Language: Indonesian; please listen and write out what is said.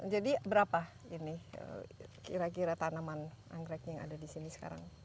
berapa ini kira kira tanaman anggreknya yang ada di sini sekarang